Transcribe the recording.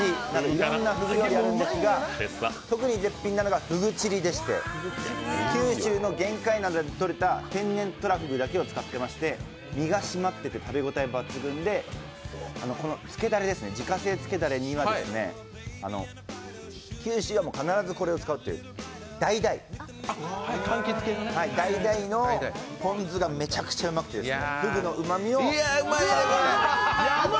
いろんなふぐ料理あるんですが特に絶品なのがふぐちりでして九州の玄界灘でとれた天然のとらふぐだけを使っていまして、身が締まっていて食べ応え抜群で、自家製つけダレには九州では必ずこれを使うっていうダイダイのポン酢がめちゃくちゃうまくてふぐのうまみを。